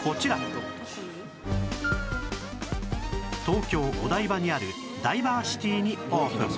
東京お台場にあるダイバーシティにオープン